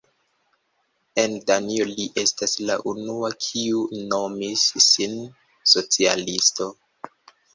En Danio li estas la unua kiu nomis sin socialisto.